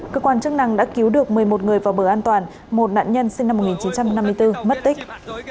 cơ quan chức năng đã cứu được một mươi một người vào bờ an toàn một nạn nhân sinh năm một nghìn chín trăm năm mươi bốn mất tích